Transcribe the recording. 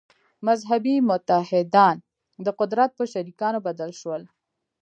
«مذهبي متحدان» د قدرت په شریکانو بدل شول.